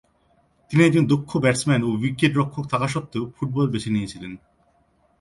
তিনি একজন দক্ষ ব্যাটসম্যান ও উইকেট-রক্ষক থাকা সত্ত্বেও ফুটবল বেছে নিয়েছিলেন।